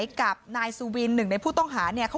พี่น้องของผู้เสียหายแล้วเสร็จแล้วมีการของผู้เสียหาย